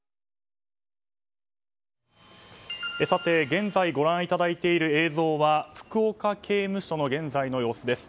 現在ご覧いただいている映像は福岡刑務所の現在の様子です。